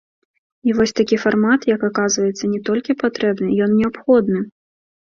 І вось такі фармат, як аказваецца, не толькі патрэбны, ён неабходны.